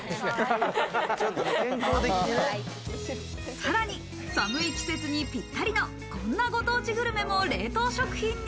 さらに寒い季節にぴったりのこんなご当地グルメも冷凍食品に。